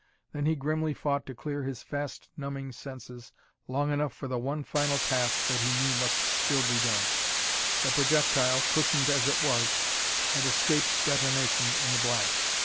Then he grimly fought to clear his fast numbing senses long enough for the one final task that he knew must still be done. The projectile, cushioned as it was, had escaped detonation in the blast.